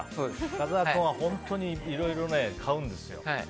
深澤君は本当にいろいろ買うんですよ。